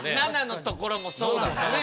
７のところもそうですね。